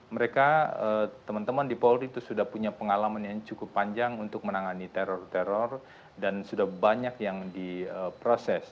mereka teman teman di polri itu sudah punya pengalaman yang cukup panjang untuk menangani teror teror dan sudah banyak yang diproses